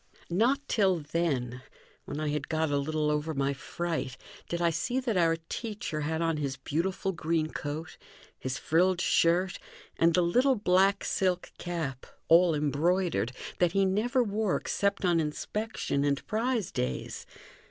Not till then, when I had got a little over my fright, did I see that our teacher had on his beautiful green coat, his frilled shirt, and the little black silk cap, all embroidered, that he never wore except on inspection and prize days.